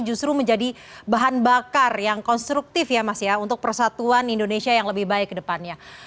justru menjadi bahan bakar yang konstruktif ya mas ya untuk persatuan indonesia yang lebih baik ke depannya